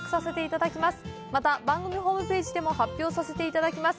また番組ホームページでも発表させて頂きます